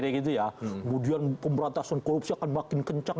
kemudian pemberantasan korupsi akan makin kencang